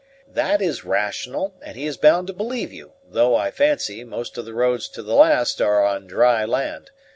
"That is rational; and he is bound to believe you, though, I fancy, most of the roads to the last are on dry land.